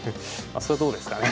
それはどうですかね。